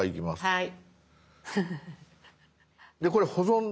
はい。